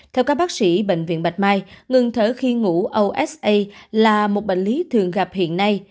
theo các bác sĩ bệnh viện bạch mai ngừng thở khi ngủ osa là một bệnh lý thường gặp hiện nay